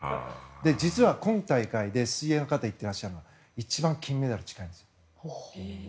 実は今大会で水泳の方が言っていらっしゃる一番、金メダルに近いと。